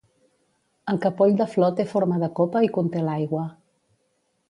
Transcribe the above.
El capoll de flor té forma de copa i conté l'aigua.